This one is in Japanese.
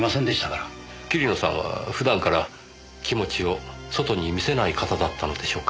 桐野さんは普段から気持ちを外に見せない方だったのでしょうか？